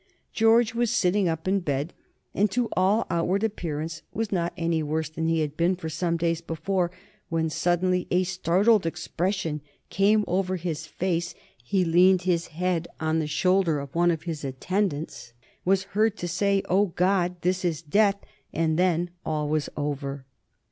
George was sitting up in bed, and to all outward appearance was not any worse than he had been for some days before, when suddenly a startled expression came over his face, he leaned his head on the shoulder of one of his attendants, was heard to say, "O God, this is death," and then all was over.